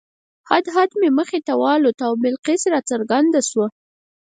هدهد مې مخې ته والوت او بلقیس راڅرګنده شوه.